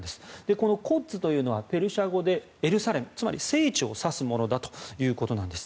このコッズというのはペルシャ語でエルサレムつまり聖地を指すものだということです。